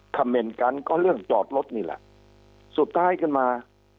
เมนต์กันก็เรื่องจอดรถนี่แหละสุดท้ายขึ้นมา